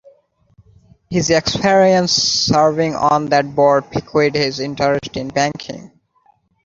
His experience serving on that board piqued his interest in banking.